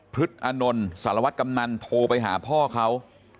พฤษฎานนท์สารวัสดิ์กำนันโทรไปหาพ่อเขา